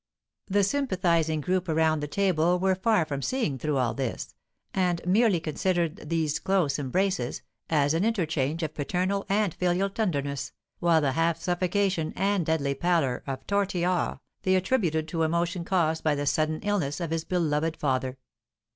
The sympathising group around the table were far from seeing through all this, and merely considered these close embraces as an interchange of paternal and filial tenderness, while the half suffocation and deadly pallor of Tortillard they attributed to emotion caused by the sudden illness of his beloved father.